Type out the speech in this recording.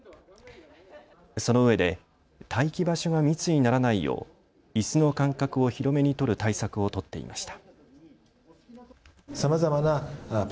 そのうえで待機場所が密にならないよういすの間隔を広めに取る対策を取っていました。